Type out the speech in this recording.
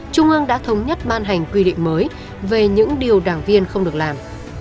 trung ương đã thống nhất ban hành quy định mới về những điều đảng viên không được làm